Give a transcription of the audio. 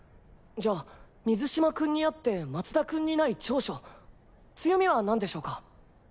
じゃあ水嶋君にあって松田君にない長所強みは何でしょうか？